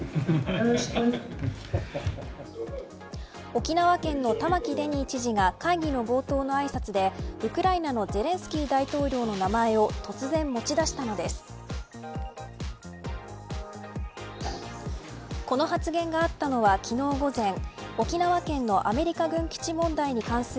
沖縄県の玉城デニー知事が会議の冒頭のあいさつでウクライナのゼレンスキー大統領の名前を突然持ち出したのです。